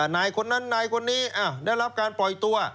นายคนนั้นนายคนนี้ได้รับการปล่อยตัว